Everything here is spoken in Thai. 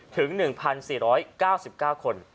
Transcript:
ถึง๑๔๙๙คน